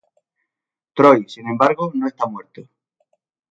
Troy, sin embargo, no está muerto.